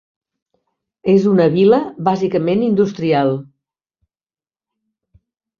És una vila bàsicament industrial.